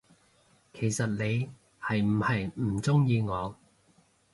其實你係唔係唔鍾意我，？